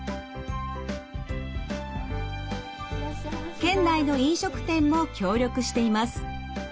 県内の飲食店も協力しています。